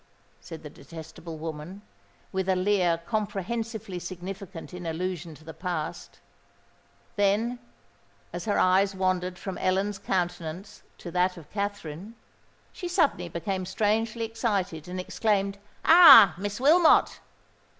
said the detestable woman, with a leer comprehensively significant in allusion to the past: then, as her eyes wandered from Ellen's countenance to that of Katherine, she suddenly became strangely excited, and exclaimed, "Ah! Miss Wilmot!"